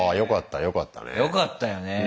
よかったよね。